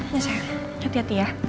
ya saya hati hati ya